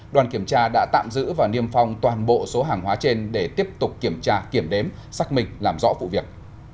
đoàn kiểm tra đã tạm giữ và niêm phong toàn bộ số hàng hóa trên để tiếp tục kiểm tra kiểm đếm xác minh làm rõ vụ việc